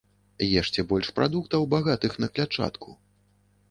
Ешце больш прадуктаў, багатых на клятчатку.